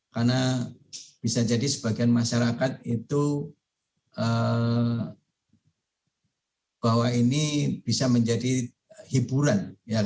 karena bisa jadi sebagian masyarakat itu bahwa ini bisa menjadi hiburan